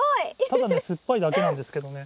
ただね酸っぱいだけなんですけどね。